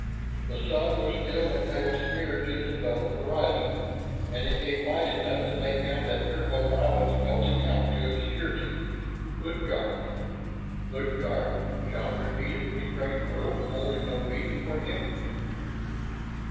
The sun was still a pale smear just above the horizon. And it gave light enough to make out that trickle of islands melting out to obscurity. "Utgard " "Utgard?" Shann repeated, the strange word holding no meaning for him.